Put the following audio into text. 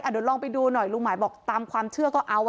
เดี๋ยวลองไปดูหน่อยลุงหมายบอกตามความเชื่อก็เอา